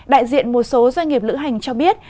đại diện một số doanh nghiệp lữ hành cho biết